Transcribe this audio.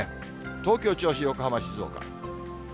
東京、銚子、横浜、静岡。